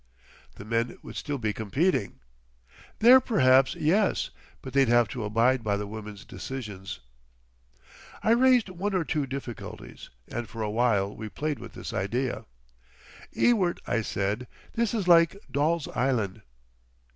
"The men would still be competing." "There perhaps—yes. But they'd have to abide by the women's decisions." I raised one or two difficulties, and for a while we played with this idea. "Ewart," I said, "this is like Doll's Island.